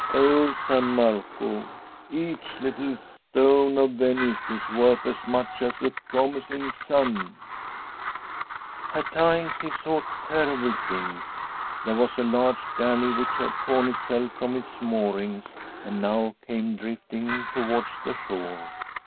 Oh, San Marco, each little stone of Venice is worth as much as a promising son/ [ 249] frm M S9FEDISH HOMESTEAD At times he saw terrible thinn. There was a large galley which had torn itself from its moor ings and now came drifting towards the shore.